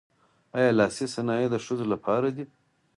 آیا لاسي صنایع د ښځو لپاره دي؟